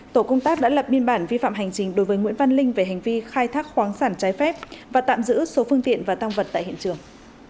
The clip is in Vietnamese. tổ công tác đã lập biên bản vi phạm hành trình đối với nguyễn văn linh về hành vi khai thác khoáng sản trái phép và tạm giữ số phương tiện và tăng vật tại hiện trường